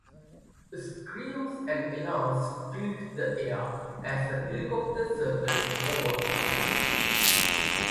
Screams and alarms filled the air as a helicopter circled overhead.